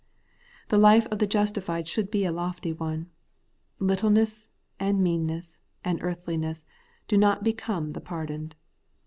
The life of the justified should be a lofty one. littleness, and meanness, and earthliness, do not become the pardoned.